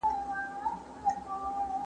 د ماوراءالطبیعه د نظریو متعصبو پلویانو.